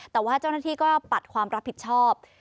แต่ว่าเจ้าหน้าที่ก็ปัดความรับผิดชอบ